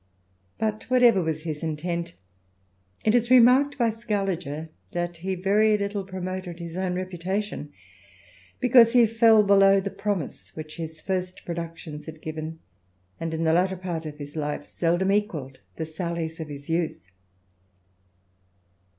But, whatever was his intent, it is remarked by Scaliger, that he very little promoted his own reputation, because he fell below the promise which his first productions had given, and in the latter part of his life seldom equalled the sallies of his youth.